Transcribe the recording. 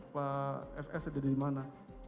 pak fs ada dimana